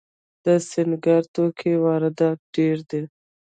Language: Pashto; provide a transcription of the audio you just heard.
د سینګار توکو واردات ډیر دي